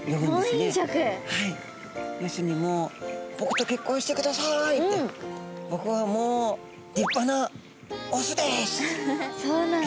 はい要するにもう「僕と結婚してください」って「僕はもう立派なオスです」。